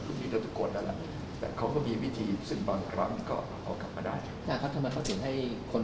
ปรณีของนี้แพรวาเนี่ยเขามีทรัพย์สิ่งที่ไหน